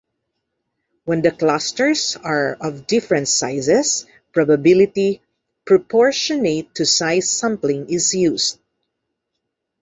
When the clusters are of different sizes, probability proportionate to size sampling is used.